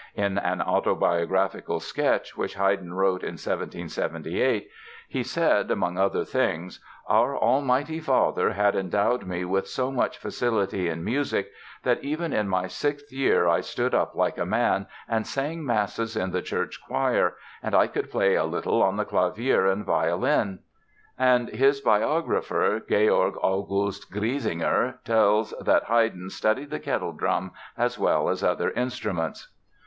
In an autobiographical sketch which Haydn wrote in 1778 he said, among other things: "Our Almighty Father had endowed me with so much facility in music that even in my sixth year I stood up like a man and sang Masses in the church choir and I could play a little on the clavier and violin." And his biographer, Georg August Griesinger, tells that Haydn studied "the kettledrum as well as other instruments."